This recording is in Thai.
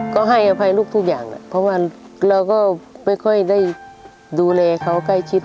ก็ให้อภัยลูกทุกอย่างแหละเพราะว่าเราก็ไม่ค่อยได้ดูแลเขาใกล้ชิด